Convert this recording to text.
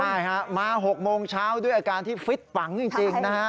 ใช่ฮะมา๖โมงเช้าด้วยอาการที่ฟิตฝังจริงนะฮะ